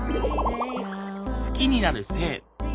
好きになる性。